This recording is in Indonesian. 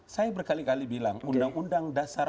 saya berkali kali bilang undang undang dasar